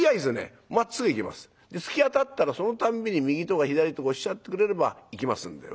で突き当たったらそのたんびに右とか左とかおっしゃってくれれば行きますんで」。